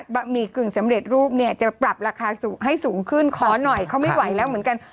ะหมี่กึ่งสำเร็จรูปเนี่ยจะปรับราคาสูงให้สูงขึ้นขอหน่อยเขาไม่ไหวแล้วเหมือนกัน